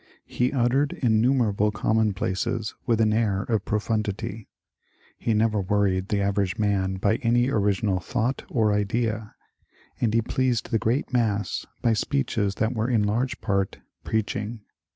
He uttered innumerable commonplaces with an air of profundity ; he never worried the average man by any original thought or idea ; and he pleased the great mass by speeches that were in large part preaching.